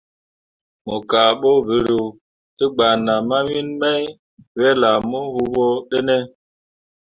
Mo kah bo vǝrǝǝ te gbana mawiin mai wel ah mo wobo ɗǝne ?